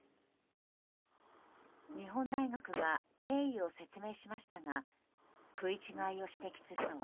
日本大学が経緯を説明しましたが食い違いを指摘するのは